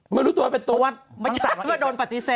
ไม่รู้ตัวเป็นตัวไม่ใช่ว่าโดนปฏิเสธ